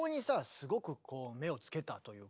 すごくこう目を付けたというか。